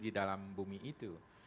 di dalam bumi itu